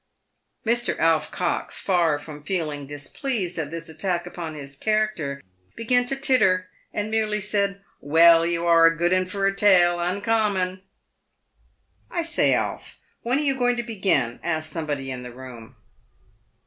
Mr. Alf Cox, far from feeling displeased at this attack upon his character, began to titter, and merely said, " Well, you are a good 'un for a tale, uncommon." "I say, Alf, when are you going to begin?" asked somebody in the room.